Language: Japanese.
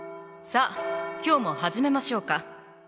さあ今日も始めましょうか。